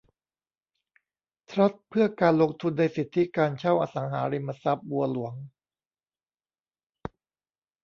ทรัสต์เพื่อการลงทุนในสิทธิการเช่าอสังหาริมทรัพย์บัวหลวง